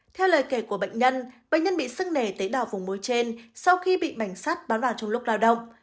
theo lời kể của bệnh nhân bệnh nhân bị sưng nể tới đảo vùng môi trên sau khi bị mảnh sát bán vào trong lúc lao động